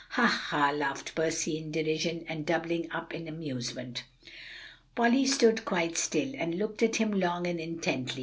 "Ha, ha!" laughed Percy in derision, and doubling up in amusement. Polly stood quite still, and looked at him long and intently.